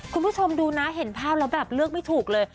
คุณผู้ชมดูนะเห็นภาพแล้วแบบเลือกไม่ถูกเลย